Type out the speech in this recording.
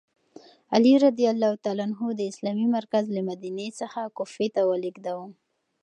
علي رض د اسلامي مرکز له مدینې څخه کوفې ته ولیږداوه.